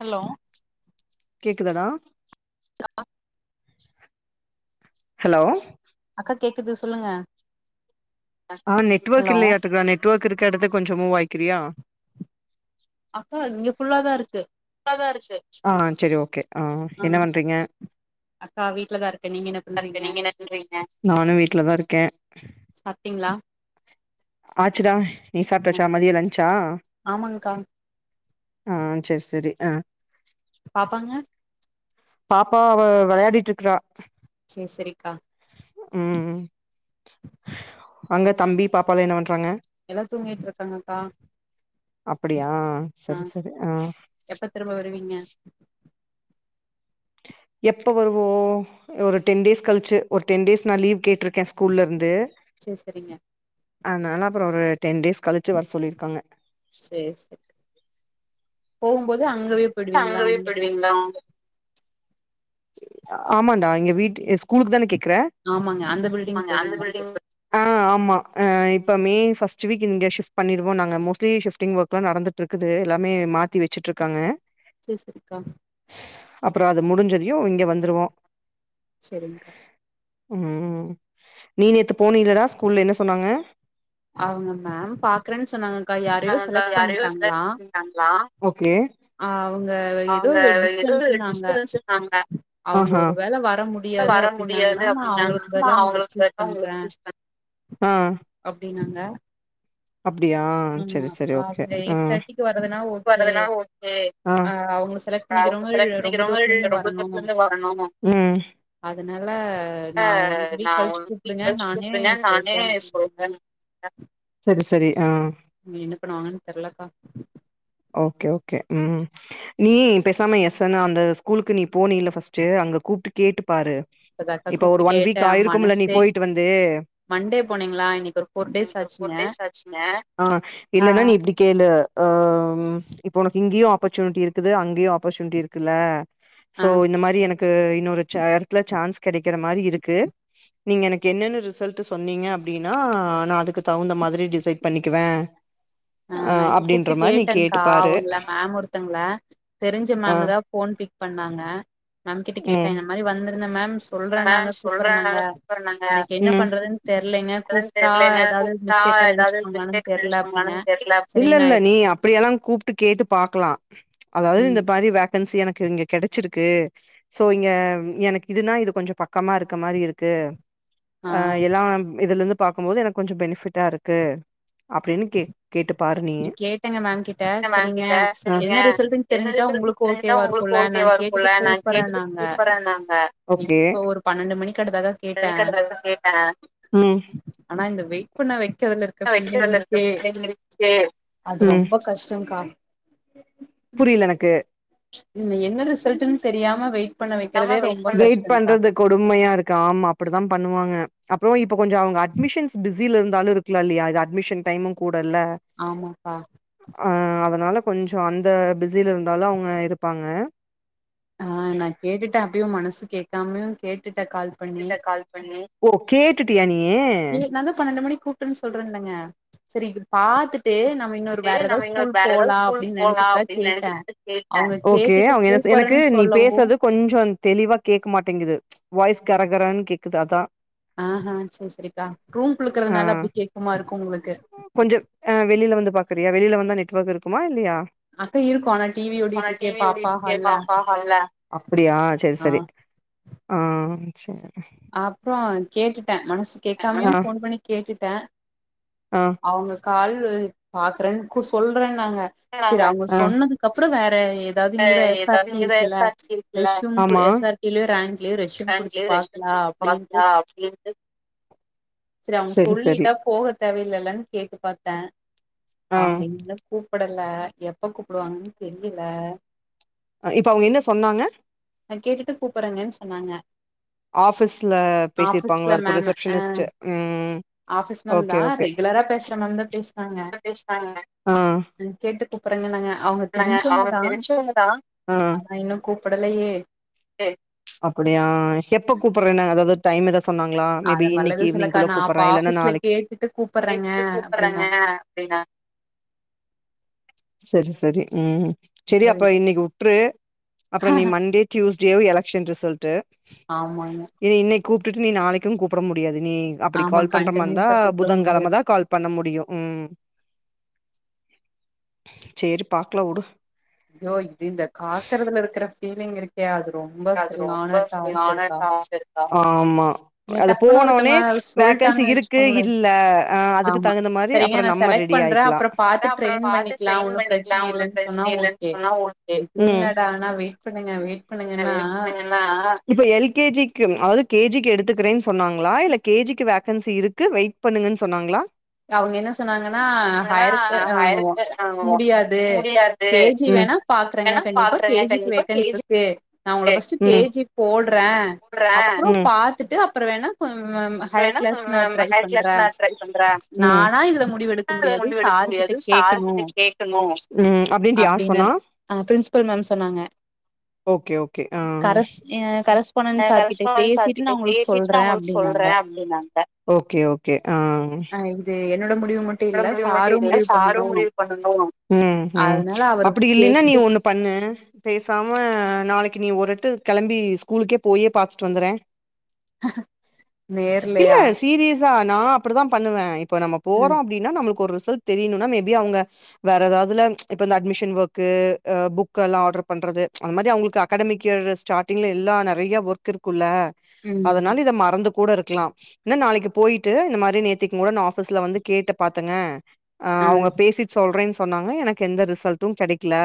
Hello கேக்குதாடா hello அக்கா கேக்குது சொல்லுங்க ஆ நெட் ஹலோ இல்லயாட் இருக்குது நெட்ர் ஒர்க் இருக்க இடத்துக் கொஞ்சோ மூவ் ஆய்க்றியா அக்கா இங்க ஃபுல்லாதா இருக்கு ஆ செரி ஓகே ஆ என்ன பண்றீங்க வீட்லதான் இருக்கன் நீங்க என்ன பண் நானும் வீட்ல தான் இருக்கேன் சாப்டிங்களா ஆச்சுடா நீ ஆ சாப்ட்டச்சா மதியம் லன்ச்சா ஆமாங்க்கா ஆ செரி செரி ஆ பாப்பாங்க பாப்பா அவ வெளயாடிட்டு இருக்கறா செரி செரிக்கா ம் அங்க தம்பி பாப்பாலாம் என்ன பண்றாங்க எல்லா தூங்கிட்டு இருக்காங்கக்கா அப்படியா செரி செரி ஆ எப்பத் திரும்ப வருவீங்க எப்ப வருவோம் ஒரு டென் டேஸ் கழிச்சு ஒரு டென் டேஸ் நான் லீவ் கேட்டிருக்கேன் ஸ்கூல்ல இருந்து செரி செரிங்க அதனால் அப்புறோம் ஒரு டென் டேஸ் கழிச்சு வர சொல்லிருக்காங்க செரி செரி போமோது அங்கவே போயிடுவீங்களா அங்கவே அந்த பள்ளி போயிடு ஆமாண்டா இங்க வீட்டு ஸ்கூலுக்கு தான கேக்குற ஆமாங்க அந்த பில்டிங் பாப்பாங்க அந்த போயிடுவீங்களான்னு பில்டிங் கேட்டே பத் ஆம்மா இப்போ மே ஃபஸ்ட் வீக் இங்க ஷிஃட் பண்ணிடுவோம் நாங்க மோஸ்ட்லி ஷிப்டிங் ஒர்க்லாம் நடந்துட்டு இருக்குது எல்லாமே மாத்தி வெச்சுட்டு இருக்காங்க செரி செரிக்கா அப்புறோம் அது முடிஞ்சதையும் இங்க வந்துருவோம் செரிங்க்கா ம் நீ நேத்து போனிலடா ஸ்கூல்ல என்ன சொன்னாங்க அவங்க மேம் பாக்குறேன்னு சொன்னாங்கக்கா யாரையோ செலக்ட் பண்ட்டாங்களா ஓகே ஆ அவங்க ஏதோ அவுங்க ஏதோ டிஸ்டன்ஸ்னாங்க டிஸ்டன்ஸ் இருக்காங்க அவங்க ஒரு வேள வர முடியாது வர முடியாது அப்டின்னாங்கன்னா நா அவங்களுக்கு அப்டின்னாங்க பதிலா உங்கள அவுங்களுக்கு சூஸ் எதோ பண்றே [inaudible] ஆ அப்டின்னாங்க அப்டியா ம் செரி செரி அவங்க ஓகே ஆ எயிட் [inaudible] தேர்ட்டிக்கு வர்றதுனா [inaudible] ஓகே அ அவங்க செலக்ட் பண்ணிக்கிறவங்க ரொம்ப தூரத்துல இருந்து வரணு வரனும் அதனால நா ஆ ஒன் நா வீக் கழிச்சு கூப்டுங்க நானே [unintelligible] நானு சொல்றே அப்டின்னாங்க சொல்றேன் செரி செரி ஆ நீ என்ன பண்ணுவாங்கன்னு தெர்லக்கா ஓகே ஓகே ம் நீ பெசாம யசன் அந்த ஸ்கூலுக்கு நீ போனில பஸ்ட்டு அங்க கூப்ட்டு கேட்டுப்பாரு இப்பதாக்கா இப்ப ஒரு கூப்ட்டு ஒன் வீக் கேட்டே ஆயிருக்கும்ல நீ மனசே போயிட்டு வந்து மண்டே போனீங்களா இன்னைக்கு ஒரு ஃபோர் டேஸ் எனக்கு ஒரு ஆச்சுங்க ஃபோர் டேஸ் ஆச்சுங்க ஆ ஆ இல்லனா நீ இப்டி கேளு ஆ இப்போ உனக்கு இங்கயும் ஆப்பர்ச்சுனிட்டி இருக்குது அங்கேயும் ஆப்பர்ச்சுனிட்டி இருக்குல்ல ஆ சோ இந்த மாரி எனக்கு இன்னொரு இடத்துல சான்ஸ் கடைக்கிற மாரி இருக்கு நீங்க எனக்கு என்னென்னு ரிசல்ட் சொன்னீங்க அப்பிடின்னா நா அதுக்கு தகுந்த மாரி டிசைட் பண்ணிக்குவேன் அ அப்பிடின்ற மாரி நீ கேட் ஆ அவுங்கள மேம் ஒருத்தங்கள தெரிஞ்ச ஆ மேம்தான் ஃபோன் பிக் பண்ணாங்க மேம்கிட்ட கேட்டேன் இந்த மாரி வந்திருந்தன் மேம் சொல்றேன்னாங்க ம் கூப்பறேன்னாங்க எனக்கு என்ன பண்றதுன்னு தெர்லைங்க கூப்ட்டா ஏதாவது தா மிஸ்டேக்கா எதாவது நெனச்சுப்பாங்களான்னு மிஸ்டேக் தெர்ல இருந்துச்சுங்களானு அப்டின்னே தெர்ல சரி இல்ல நா இல்ல எது நீ அப்பிடியெல்லா கூப்ட்டு கேட்டு பாக்லா அதாது ம் இந்த மாரி வேக்கன்சி எனக்கு இங்க கெடைச்சிருக்கு சோ இங்க எனக் இதுனா இது கொஞ்சோ பக் கமா இருக்க மாரி இருக்கு ஆ எல்லா இதுலந்து பாக்கும்போது எனக்கு கொஞ்சோ பெனிஃபிட்டா இருக்கு அப்டின்னு கேட் கேட்டு பா பாரு நீ கேட்டேங்க மேம் கிட்ட சரிங்க என்ன ஆ ரிசல்ட்ன்னு தெரிஞ்சுட்டா உங்களுக்கு இருந்தா ஓகேவா உங்களுக்கு இருக்குல்ல நா ஓகேவா இருக்குல்ல கேட்டுட்டு நா கேட்டுட்டு கூப்பறேன்னாங்க கூப்புர்றேன்னாங்க இப்போ ஒரு பன்னெண்டு மணிக்கு அடுத்ததாக்கா கேட்டே ம் ஆனா இந்த வெயிட் பண்ண வைக்கறதுலரு [inaudible] அது ம் ரொம்ப கஷ்டோங் கா புரில எனக்கு இதுல என்ன ரிசல்ட்டுனு தெரியாம வெயிட் பண்ண வைக்கிறதே ரொம்ப வெயிட் கஷ்டங்கா பண்றது கொடுமையா இருக்கு ஆமா அப்டித்தா பண்ணுவாங்க அப்றோ இப்ப கொஞ்சோ அவங்க அட்மிஷன்ஸ் பிஸ் ஸில இருந்தாலு இருக்லா இல்லயா அது அட்மிஷன் டைமு கூட இல்ல ஆமாங் க்கா ஆ அதனால கொஞ்சோ அந்த பிஸில இருந்தாலு அவுங்க இருப்பாங்க ஆ நா கேட்டுட்டே அப்பயு மனசு கேக்காமயு கேட்டுட்டே கால் பண்ணி டுட்டே கால் பண்ணியே ஏ நா தா பன்னெண்டு மணிக் கூப் புட்றே சொல்றேல்லங்க சேரி இது பாத்து ட்டு நம்ம இன்னொரு வேற எதாது நம்ம இன்னொரு ஸ்கூல் வேற ஏதாவது போலா ஸ்கூல் அப்டின் போலா நெனைச்சிட்டு தா அப்டின்னு கேட்டே அவுங்க கேட்டுட்டு கூப்பர்றே க்கு நீ பேசறது கொஞ்சோ தெளிவா கேக்க மாட்டேங்குது வாய்ஸ் கரகரன் கேக்குது அதா ஆ ஹ சேரி சரிக்கா ரூம் குள்ள ஆ இருக்கறதுனால அப்டி கேக்குமா இருக்கு உங்குளுக்கு கொஞ்சோ அ வெளில வந்து பாக்குறியா வெளில வந்தா நெட்ஒர்க் இருக்குமா இல்லியா அக்கா இருக்கு ஆனா டிவி ஓடிட்டு இருக்கே பாப்பா ஹால்ல அப்பிடியா செரி ஆ செரி ஆ ஆ செர் அப்றோ கேட்டுட்டே மனசு கேக்காமயு ஆ ஃபோன் பண்ணி கேட்டுட்டே ஆ அவுங்க கால் வ பாக்குறன் கூ சொல்றேன்னாங்க செரி ஆ அவுங்க ஆ சொன்னதுக்கப்றோ வேற எதாது இங்கதா எஸ் ஆர் ஏதாவது டி இங்கதா இருக்குல்ல எஸ் ஆர் டி இருக்குல்ல ரெஷ்ஷும் ஆமா எஸ் ஆர்டி லியோ ரேங்கிலியோ ரெஷ்யும் குடுத்து பேங்க்லயே ரெஸ்ட் பாக்லா குடுத்து பாக்லா அப்டின்ட்டு செரி அவுங்க சொல்லிட்டா போக தேவ இல்லைலன் கேட்டு பாத்தே ஆ அவுங்க இன்னு கூப்படல எப்ப கூப்டுவாங்கன் தெரில அ இப்ப அவுங்க என்ன சொன்னாங்க நா கேட்டுட்டு கூப்பர்றங்கன் சொன்னாங்க ஆஃபீஸ்ல ஆபீஸ்ல பேசிருப்பாங்களாருக்கு ரிசப்ஷனிஸ்ட்டு ம் ஆஃபிஸ்லந்தா ஓகே ஓகே ரெகுலரா பேசுற மாரி தா பேஸ்னாங்க பேசுனாங்க ஆ கேட்டு கூப்புர்றங்க இன்னங்க அவங்க நாங்க அவங்க தெரிஞ்சவங்கதா தெரிஞ்சவங்கதா ஆ ஆனா இன்னு கூப்படலையே அப்படியா எப்ப கூப்பர்றன்னாங்க எதாது டைம் எதாது சொ சொன்னாங்ளா மேபி அத மாரிலா இன்னக்கி எதுவு சொல்லக்கா ஈவினிங்குள்ள நா அப்ப கூப்பர்றே இல்லன்னா ஆஃபீஸ்ல நாளைக்கு கேட்டுட்டு கூப்பட்றேங்க அப்டின்னாங்க செரி செரி ம் செரி ஐயோ அப்ப இன்னைக்கு உட்ரு அப்றோ நீ மண்டே டியூஸ்டேவு எலெக்க்ஷன் ரிசல்ட்டு ஆமாங்க ஏ இன்னைக்கு கூப்ட்டுட்டு நீ நாளைக்கு கூப்ட முடியாது நீ அப்டி ஆமா கால் பண்ற மாருந்தா கண்டினியூஸா கூப்ட புதன்கெழம முடியாது தா கால் பண்ண முடியு ம் சேரி பாக்கலா வுடு ஐயோ இது இந்த காக்குறதுல இருக்கற ஃபீலிங் இருக் கே அது ரொம்ப அது ரொம்ப சரியானா சரியான டார்ச்சருக்கா டார்ச்சர்க்கா ஆமா நீங்க அது டக்குன்னு ஒருத்தங்க போனோனே ச் வேக்கன்சி சொல்ட்டாங்க இருக்கு வெச்சுக்கோங்களே இல்ல அ அதுக்கு ஆமா தகுந்த மாரி சரிங்க அப்புறோ நா நம்ம செலக்ட் ரெடி பண்றே ஆயிக்கலா அப்புறொ பாத்து அதா அப்புறோ ட்ரெயின் பாத்து பண்ணிக்குலா ட்ரெயின் ஒன்னு பண்ணிக்கலா பிரச்சன ஒன்னு இல்லன்னு சொன்னா பிரச்சன இல்லன்னு ஓகே சொன்னா ஓகே இது ம் என்னடா னா வெயிட் பண்ணுங்க வெயிட் பண்ணுங்கன்னா வெயிட் பண்ணீங்கன்னா இப்ப எல்கேஜிக்கு அதாது கேஜிக்கு எடுத்துக்கறேன் சொன்னாங்களா இல்ல கேஜிக்கு வேகன்சி இருக்கு வெயிட் பண்ணுங்கன்னு சொன்னாங்களா அவங்க என்ன சொன்னாங்கன்னா ஆனா ஹையர்கு ஆ ஹயருக்கு முடியாது முடியாது கேஜி ம் வேணா பாக்குறேங்க வேணா கண்டிப்பா பாக்குறேங்க கேஜிக்கு கண்டிப்பா வேக்கண் கே ஜி இருக் கு நா உங்கள ஃபஸ்ட்டு க்கு கேஜி போடுறே அப்புறோ போட்றே பாத்துட்டு அப்புறோ வேணா ஹையர் வேணா கிளாஸ் நா ம் ட்ரை ஹையர் க்ளாஸ் பண்றே மார் ட்ரை பண்ற நானா இதுல முடிவெடுக்க டரக்டா அத முடியாது கொண்டு எடுக்க சார் கிட்ட முடியாது சார் கேக்கணு கிட்ட கேக்கணு ம் அப்டின்ட்டு யார் சொன்னா அங்க ப்ரின்சிபல் மேம் சொன்னாங்க ஓகே ஓகே ஆ கரஸ் அ நா கரஸ்பாண்டன் சார் கிட்ட கரஸ்பாண்டட் சார் பேசிட்டு கிட்ட நா உங்களுக்கு பேசிட்டு நா சொல்றே உங்களுக்கு அப்டின்னாங்க சொல்றே [unintelligible] மேம்ட ஓகே ஓகே ஆ அ இது என்னோட முடிவு மட் ஏ முடிவு மட்டு இல்ல சாரு முடிவு பண்ணணு அதனால அவரு அப்டி இல்லன்னா நீ கேட்டுட்டு ஒண்ணு பண்ணு பேசாம நாளைக்கு நீ ஒரு எட்டு கெளம்பி ஸ்கூலுக்கே போயே பாத்துட்டு வந்துறே இல்ல நேர்லயா சீரியஸா நா அப்டித்தா பண்ணுவே இப்ப நம்ம போற் றோ ம் அப்டின்னா நமளுக்கு ஒரு ரிசல்ட் தெரியணுனா மேபி அவுங்க வேற ஏதாவதுல இப்ப இந்த அட்மிஷன் ஒர்க்கு புக் எல்லா ஆர்டர் பண்றது அந்த மாரி அவங்களுக்கு அகாடமிக் இயர்ல ஸ்டார்டிங்கில் எல்லா நெறையா ஒர்க் இருக்குல்ல ம் அதனால இத மறந்து கூட இருக்குலா இன்னா நாளைக்கு போயிட்டு இந்த மாரி நேத்திக்கு கூட நா ஆஃபீஸ்ல வந்து கேட்டு பாத்தங்க ஆ ம் அவங்க பேசிட்டு சொல்றேன் ச் சொன்னாங்க எனக்கு எந்த ரிசல்ட்டு கெடைக்குல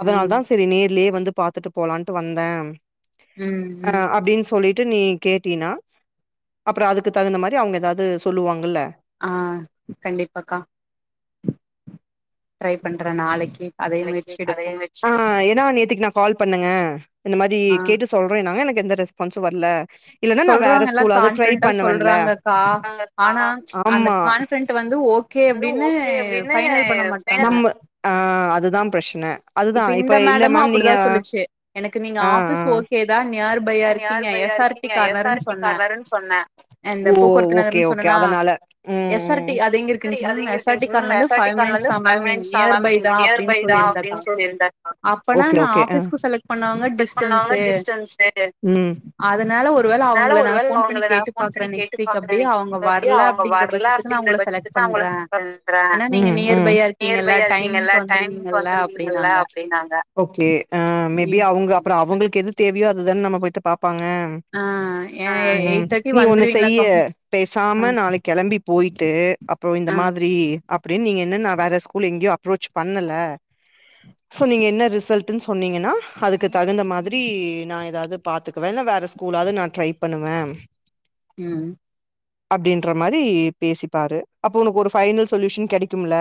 அதனால ம் தா சரி நேர்லயே வந்து பாத்துட்டு போலான்ட்டு வந்தே ம் அ ம் அப்டின்னு சொல்லி ட்டு நீ கேட்டினா அப்புற அதுக்கு தகுந்த மாரி அவங்க ஏதாது சொல்லுவாங்கல்ல ஆ கண்டிப்பாக்கா ட்ரை பண்றே நாளைக்கு அதே முயற்சி எடுப்போ ஆ ஏன்னா நேத்துக்கு நா கால் பண்ணங்க இந்த மாரி ஆ கேட்டு சொல்றேன்னாங்க எனக்கு எந்த ரெஸ்பான்சு வர்ல இல்லனா நா வேற சொல்றவங்க எல்லா ஸ்கூல் ஆது ட்ரை கான்பிடென்டா பண்ணுவேல்ல சொல்றாங்கக்கா ஆனா அந்த ஆமா கான்பிடென்ட் வந்து ஓகே அப்டின்னு ஃபைனல் பண்ண மாட்றாங்க நம்ம ஆ அதுதா பிரச்ன இப்ப இந்த மேடமு அப்படிதா சொல்லுச்சு எனக்கு நீங்க ஆ ஆ ஆஃபிஸ் ஒர்க் ஏதா நியர் பையா நியர் இருக்கீங்க பையா எஸ் ஆர் டி இருக்கீங்க எஸ் ஆர் கார்னர்ன்னு பி சொன்னே கார்ணருன் சொன்னே இந்த ஓ போக்குவரத்து ஓகே நகர்ன்னு ஓகே சொன்னனா அதனால ம் எஸ் ஆர் டி ம் அது எங்க இருக்குன்னுச்சு மேம் எஸ் ஆர் டி கார்னர்ல இருந்து கேண்டி ஃபைவ் மினிட்ஸ் காய்லந்து தா ஃபைவ் மேம் மினிட்ன்ஸ் ஆ நியர் பை மீன் தா நியர் பை அப்டின்னு தா சொல்லிருந்தக்கா அப்டின்னு சொல்லிருந்தே அப்பனா ஓகே நா ஓகே ஆ ஆஃபீஸ்க்கு செலக்ட் பண்ணவங்க டிஸ்டன்ஸ் ம் அதனால ஒருவேள அதனால அவங்கள ஒரு நா வேல ஃபோன் பண்ணி அவங்கள நா கேட்டு ஃபோன் பாக்குறே பண்ணி கேட்டு நெக்ஸ்ட் வீக் பாக்குறே அப்டியே நெஸ்ட் அவங்க டே வரல அவங்க அப்டிங்கிற வர்ல பட்சத்துக்கு நா இந்த உங்கள பஸ்ஸுக்கு செலக்ட் தா அவுங்கள பண்றே சொல்றன் ஏன்னா நீங்க ம் ம் நியர்பையா இருக்கீங்கல்ல நியர்பையா இருக்கீங்க இல்ல டைமிங்க்கு டைமுக்கு வந்துருவீங்கல்ல வந்துருவி ங்களா அப்டின்னாங்க அப்டின்னாங்க ஓகே ஆ மேபி இப் அவுங்க அப்புறம் அவங்களுக்கு எது தேவையோ அதுதான நம்ம போய் ட்டு பாப்பாங்க ஆ ஏ ஆ ம் எயிட் தேர்ட்டி நீ ஒண்ணு வந்துருவீங்களா செய்யி கம்பல் ஆ பேசாம நாளைக் கெளம்பி போயிட்டு அப் போ இந்த ஆ மாதிரி அப்டின்னு நீங்க என்னன்னா வேற ஸ்கூல் எங்கியு அப்ரோச் பண்ணல சோ நீங்க என்ன ரிசல்ட்டுன் சொன்னீங்கன்னா அதுக்கு தகுந்த மாதிரி நா எதாவது பாத்துக்குவன் இல்லனா வேற ஸ்கூல்லாவது நா ட்ரை பண்ணுவன் ம் அப்டின்ற மாரி பேசிப்பாரு அப்ப உனக்கு ஒரு பைனல் சொல்யூஷன் கெடைக்கும் இல்ல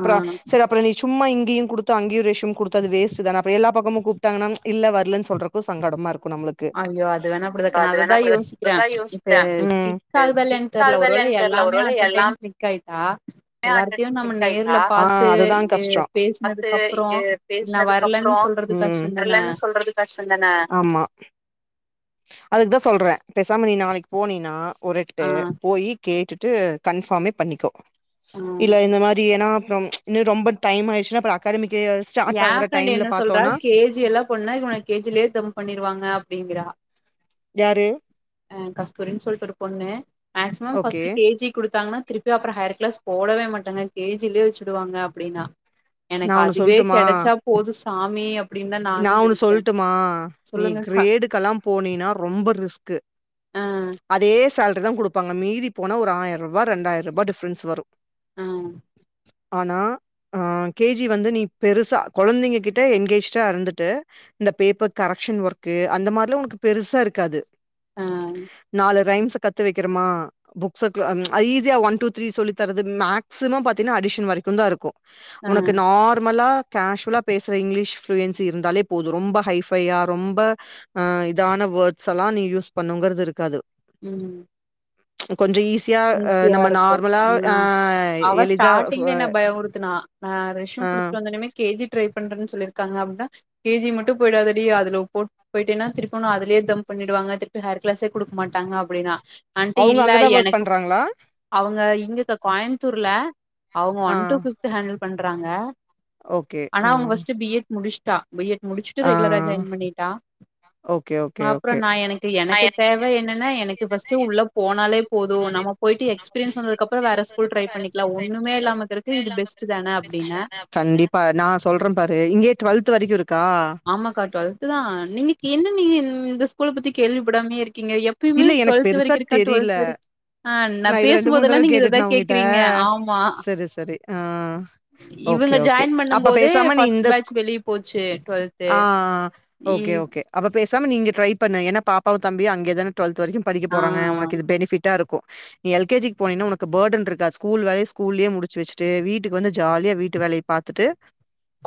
ஆ சரி அப்புறம் நீ சும்மா இங்கியும் குடுத்து அங்கயும் ரேஷன் குடுத்து அது வேஸ்ட்டு தான அப்பறோ எல்லா பக்கமும் கூப்ட்டாங்கன்னா இல்ல வரலன் சொல்றக்கு சங்கடமா இருக்கும் நம்மளுக் கு ஐயோ அது வேணா இப்ப அப்டிதாக்கா நா அது வேணா அததா அப்டிதா இப்ப யோசிக்கிறே அதா இப்ப யோசிக்கிற ம் கிளிக் ஆகுதா டச்சி இல்லயான்னு ஒர்க் தெர்ல ஆகுதா ஒருவேள இல்லையான் தெர்ல எல்லாமே ஒருவேள அட் அ டைம் எல்லாம் கிளிக் ஆயிட்டா ஏன் எல்லார்த்தையு அட்டடைம் நம்ம பிக்ஸ் ஆயிடுதா நேர்ல ஆ பாத்து அதுதா எ கஷ்டம் பாத்து பேசுனதுக்கு அப்றோ ஆ நா பேசனதுக்கு வரலன்னு அப்புறம் சொல்றது ம் கஷ்டோ தான ட்ரலன் சொல்றது கஷ்டோ தான ஆமா அதுக்கு தா சொல்றன் பேசாம நீ நாளைக்கு போனினா ஒரு எட்டு ஆ போயி கேட்டுட்டு கன்ஃபாமே பண்ணிக்கோ ஆ இல்ல இந்த மாரி ஏனா அப்புறம் இன்னும் ரொம்ப டைம் ஆயிருச்சினா அப்றோ அக்காடமிக்கே வர யா ஃப்ரெண்டு என்னா சொல்றா கே ஜி எல்லா கொஞ் நாளைக்கு முன்னாடி கே ஜிலே தம் பண்ணிருவாங்க அப்டிங்கிறா யாரு ஆ கஸ்தூரின் சொல்ட்டு ஒரு பொண்ணு maximum okay first K G குடுத்தாங்கன்னா திருப்பி அப்புறம் ஹையர் கிளாஸ் போடவே மாட்டாங்க கே ஜிலே வச்சிடுவாங்க அப்டின்னா நா எனக்கு ஒன்னு அதுவே சொல்ட்டுமா கெடைச்சா போது சாமி அப்டின் தா நா நானும் ஒன்னு நெனைச்சன் சொல்லுங்கக்கா போனினா ரொம்ப ரிஸ்கு ஆ அதே சேல்ரி தா குடுப்பாங்க மீதி போனா ஒரு ஆயிரரூபா ரெண்டாயிர ரூபா டிஃப்ரன்ஸ் வரும் ம் ஆனா ஆ கே ஜி வந்து நீ பெருசா கொழந்தைங்க கிட்ட என்கேஜிடா இருந்துட்டு இந்த பேப்பர் கரக்ஷன் ஒர்க்கு அந்த மாரிலா ஒனக்கு பெருசா இருக்காது ஆ நாலு ரைம்ஸ் கத்து வைக்கிறமா புக்ஸ குளோ அது ஈஸியா ஒன் டூ த்ரீ சொல்லி தரது மேக்ஸிமம் பாத்தீன்னா அடிஷன் வரைக்கும் தா இருக்கும் ஆ உனக்கு நார்மலா கேஷ்வலா பேசற இங்கிலீஷ் ப்ளூயன்சி இருந்தாலே போதும் ரொம்ப ஹைஃபையா ரொம்ப ஆ இதான வேர்ட்ஸ் எல்லாம் நீ யூஸ் பண்ணுங்கிறது இருக்காது ம் கொஞ்சம் ஈஸியா அ ஈஸியா நம்ம இருக்கும் நார்மலா ஆ அவ எளிதா ஸ்டாட்டிங்ல என்ன பயபுடுத் துனா நா அ ரெஷ்யூம் குடுத்துட்டு வந்த ஒன்னேமே கே ஜி ட்ரை பண்றன் சொல்லிருக்காங்க அப்டின்னா கே ஜி மட்டும் போயிடாதடி அதுல போ போயிட்டேன்னா திருப்பி உன்ன அதுலே தம் பண்ணிடுவாங்க திருப்பி ஹயர் கிளாஸே குடுக்க மாட்டங்க அப்டின்னா அன்ட்டு இல்ல எனக்கு ங்களா அவுங்க இங்கக்கா கோயம்த்தூர்ல அவுங்க ஆ ஒன் டூ ஃபிஃப்த்து ஹேண்டில் பண்றாங்க ஓகே ஆனா ஆ அவுங்க ஃபஸ்ட்டு பி ஏட் முடிஸ்ட்டா பி எட் முடிச்சிட்டு ரெகுலரா ஆ ஜாயின் பண்ணிட்டா ஓகே ஓகே ஓகே அப்புறம் நா எனக்கு அப்றோ நா எனக்கு தேவை எனக்கு என்னான்னா தேவ எனக்கு என்னன்னா ஃபஸ்ட்டு உள்ள எனக்கு வந்து போனாலே உள்ள போதும் போனாலே நம்ம போயிட்டு போதும். நம்ம எக்ஸ்பீரியன்ஸ் போயிட்டு வந்ததுக்கு அப்றோம் எக்ஸ்பீரியன்ஸ் வேற ஸ்கூல் பண்ணதுக்கப்றோ ட்ரை வேற பண்ணிக்கலா ஸ்கூல் ட்ரை ஒண்ணுமே பண்ணிக்கலா இல்லாமக்கறக்கு இது பெஸ்ட்டு தான அப்டின்ன கண்டிப்பா நா சொல்றெ பாரு இங்யே ட்வெல்த்து வரைக்கு இருக்கா ஆமாக்கா ட்வெல்த்து தா நீங்கக் என்ன நீங்க இந்த ஸ்கூல பத்தி கேள்விப்படாமயே இருக்கீங்க எப் பயுமே இல்ல எனக்கு ட்வெல்த்து பெருசா வரைக்கு இருக்கா தெரில ட்வெல்த்து வரை ஆ நா இது ரெண்டு மூணு பேசும்போதல்லா தடவ நீங்க இததா கேட்டுட்டனா உங்கிட்ட கேக்குறீங்க ஆமா சரி சரி ஆ ஓகே இவுங்க ஓகே ஜாயின் பண்ணும் அப்ப போது பேசாம நீ ஃபஸ்ட் இந்த ஸ்கூ பேட்ச் வெளிய போச்சு ட்வெல் ஆ அ ஓகே ஓகே அப்ப பேசாம நீ இங்க ட்ரை பண்னு ஏன்னா பாப்பாவு தம்பியு அங்யேதானே ட்வெல்த்து வரைக்கு படிக்க ஆ. போறாங்க உனக்கு இது பெனிஃபிட்டா இருக்கு எல் கே ஜி‌ க் போனின்னா உனக்கு பர்டன்ருக்கா ஸ்கூல் வேலைய ஸ்கூல்லயே முடுச்சு வச்ட்டு வீட்டுக்கு வந்து ஜாலியா வீட்டு வேலைய பாத்துட்டு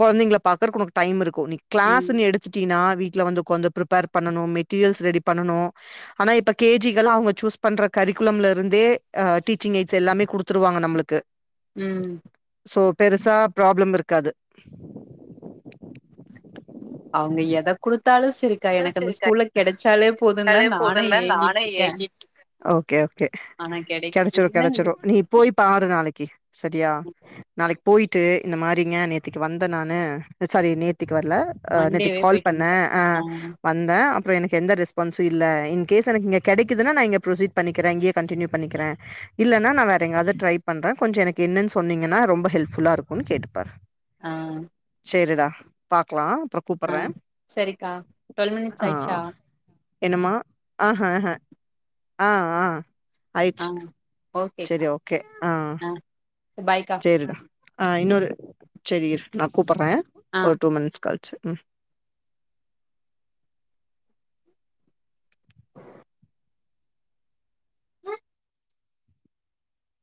கொழந்தைங்ள பாக்குறக்கு உனக்கு டைம் இருக்கு நி ம். க்ளாஸுன் எடுத்துட்டீனா வீட்ல வந்து உக்காந்து ப்ரிப்பேர் பண்ணனு மெட்டீரியல்ஸ் ரெடி பண்ணனு ஆனா இப்ப கே ஜி கல்லா அவுங்க சூஸ் பண்ற கரிக்குலம்லருந்தே அ டீச்சிங் எயிட்ஸ் எல்லாமே குடுத்துருவாங்க நம்ளுக் கு ம் சோ பெருசா ப்ராப்ளம் இருக்காது அவுங்க எத குடுத்தாலு செரி தா எனக்கு அந்த ஸ்கூல்ல கெடச்சாலே போதுன்தா டாலே நானு போதுந்தா நானே ஏங்கிட்ருக்கே ஏங்கிட்டு இருக்கே. ஓகே ஓகே கெடச்சுரு கெடச்சுரு நீ இ போய் பா ரு நாளக்கி செரியா நாளைக் போய் ட்டு இந்த மாரிங்க நேத்திக்கு வந்த நானு சாரி நேத்திக்கு வர்ல அ நேத்திக் மண்டேவே கால் போயிட்டு பண்ணே வந்துட்டேன். ஆ வந்தே அப்றொ எனக்கு எந்த ரெஸ்பான்ஸ்சு இல்ல இன் கேஸ் எனக்கிங்க கெடைக்குதுனா நா இங்க ப்ரொஸிட் பண்ணிக்கிறே இங்யே கண்டின்யூ பண்ணிக்கிறே இல்லன்னா நா வேற எங்காவ்து ட்ரை பண்றே கொஞ்ச எனக்கு என்னன் சொன்னீங்கன்னா ரொம்ப ஹெல்ப்ஃபுல்லா இருக்குன் கேட்டுப்பாரு ஆ சேரிடா பாக்லா அப்றோ அ கூப்பட்றே செரிக்கா ட்வெல் மினிட்ஸ் ஆயிட்ச்சா என்னம்மா ஆஹ ஆஹ ஆ ஆ ஆ ஆயிட்ச்சு ஓகேக்கா செரி ஓகே ஆ பாய்க்கா சேரிடா ஆ இன்னொரு சேரி இரு நா கூப்புர்றே ஆ ஒரு டூ மினிட்ஸ் கழிச்சு ம்